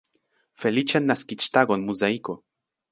Feliĉan naskiĝtagon Muzaiko!